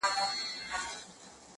خوبيا هم ستا خبري پټي ساتي.